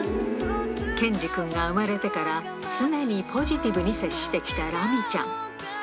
剣侍くんが生まれてから、常にポジティブに接してきたラミちゃん。